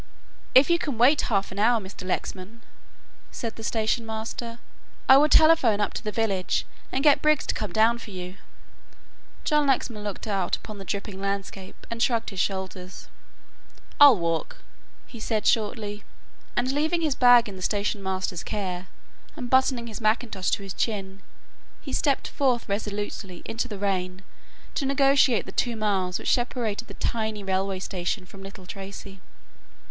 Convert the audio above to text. "If you can wait half an hour, Mr. Lexman," said the station master, "I will telephone up to the village and get Briggs to come down for you." John Lexman looked out upon the dripping landscape and shrugged his shoulders. "I'll walk," he said shortly and, leaving his bag in the station master's care and buttoning his mackintosh to his chin, he stepped forth resolutely into the rain to negotiate the two miles which separated the tiny railway station from Little Tracey.